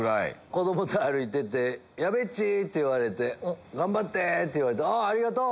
子供と歩いてて矢部っち！って言われて頑張って！って言われてありがとう！